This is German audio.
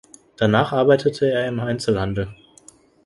Danach arbeitete er im Einzelhandel.